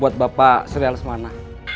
buat bapak surya alsemana